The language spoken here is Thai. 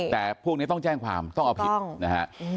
แต่พวกนี้ต้องแจ้งความต้องเอาผิดนะฮะ